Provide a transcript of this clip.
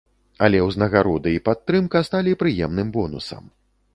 Але ўзнагароды і падтрымка сталі прыемным бонусам.